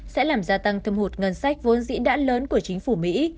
sẽ làm gia tăng thâm hụt ngân sách vốn dĩ đã lớn của chính phủ mỹ